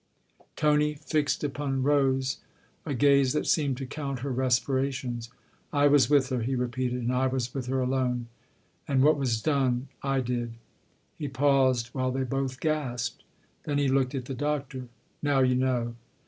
Tony fixed upon Rose a gaze that seemed to count her respirations. " I was with her," he re peated ;" and I was with her alone. And what was done / did." He paused while they both gasped : then he looked at the Doctor. " Now you know."